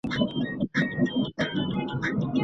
د لیکلو پر مهال معلومات د انسان د وجود برخه ګرځي.